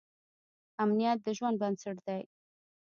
امنیت د ژوند بنسټ دی.